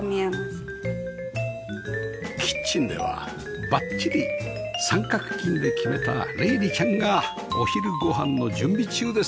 キッチンではバッチリ三角巾で決めた玲里ちゃんがお昼ご飯の準備中です